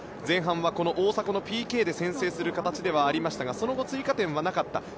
前半は、大迫のＰＫで先制する形ではありましたがその後、追加点はなかった。